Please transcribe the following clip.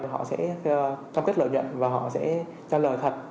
họ sẽ phân tích lợi nhuận và họ sẽ cho lời thật